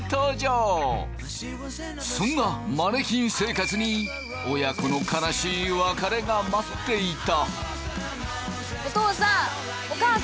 そんなマネキン生活に親子の悲しい別れが待っていた！